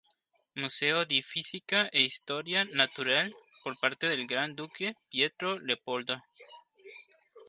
Museo di Fisica e Storia Naturale", por parte del gran duque Pietro Leopoldo.